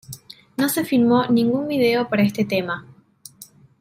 No se filmó ningún video para este tema.